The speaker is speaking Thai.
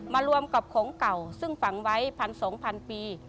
มารวมกับของเก่าซึ่งฝังไว้พันสองพันปี